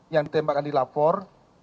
yang ditembakkan di lapor